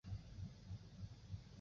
伦敦通勤带。